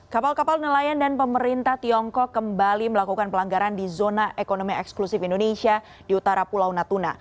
kapal kapal nelayan dan pemerintah tiongkok kembali melakukan pelanggaran di zona ekonomi eksklusif indonesia di utara pulau natuna